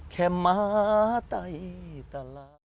แค่ม้าใต้ตลาด